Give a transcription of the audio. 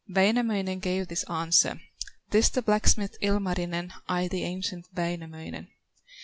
Wainamoinen gave this answer: "This the blacksmith, Ilmarinen, I the ancient Wainamoinen.